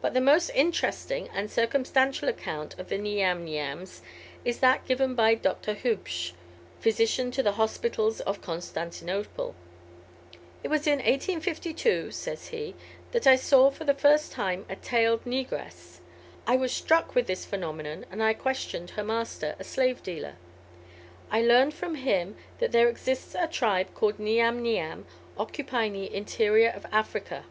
But the most interesting and circumstantial account of the Niam niams is that given by Dr. Hubsch, physician to the hospitals of Constantinople. "It was in 1852," says he, "that I saw for the first time a tailed negress. I was struck with this phenomenon, and I questioned her master, a slave dealer. I learned from him that there exists a tribe called Niam niam, occupying the interior of Africa.